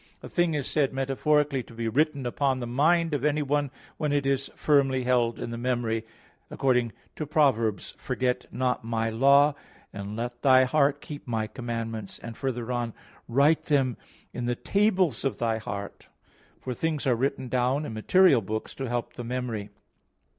A thing is said metaphorically to be written upon the mind of anyone when it is firmly held in the memory, according to Prov. 3:3: "Forget not My Law, and let thy heart keep My commandments," and further on, "Write them in the tables of thy heart." For things are written down in material books to help the memory.